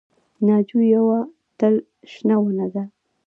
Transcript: ناجو یوه تل شنه ونه ده